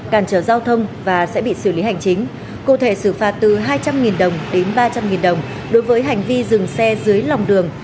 cản trở giao thông và sẽ bị xử lý hành chính cụ thể xử phạt từ hai trăm linh đồng đến ba trăm linh đồng đối với hành vi dừng xe dưới lòng đường